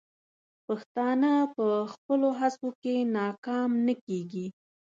پښتانه په خپلو هڅو کې ناکام نه کیږي.